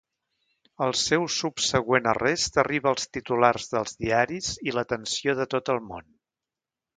El seu subsegüent arrest arriba als titulars dels diaris i l'atenció de tot el món.